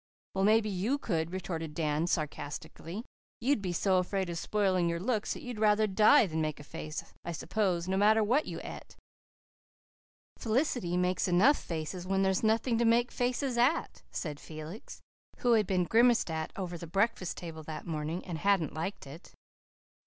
"Well, maybe you could," retorted Dan sarcastically. "You'd be so afraid of spoiling your looks that you'd rather die than make a face, I s'pose, no matter what you et." "Felicity makes enough faces when there's nothing to make faces at," said Felix, who had been grimaced at over the breakfast table that morning and hadn't liked it.